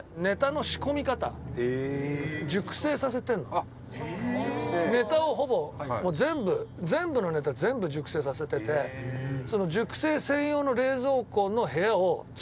長嶋：ネタをほぼ全部全部のネタ、全部熟成させててその熟成専用の冷蔵庫の部屋を作っちゃったぐらい。